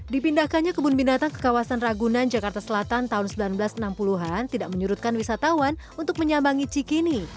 dipindahkannya kebun binatang ke kawasan ragunan jakarta selatan tahun seribu sembilan ratus enam puluh an tidak menyurutkan wisatawan untuk menyambangi cikini